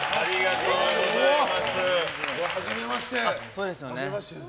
はじめまして！